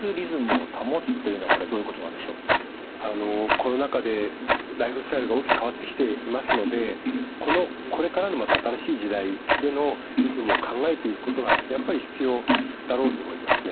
コロナ禍でライフスタイルが大きく変わってきていますのでこのこれからのまた新しい時代でのリズムを考えていくことがやっぱり必要だろうと思いますね。